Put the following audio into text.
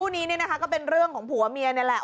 คู่นี้ก็เป็นเรื่องของผัวเมียนี่แหละ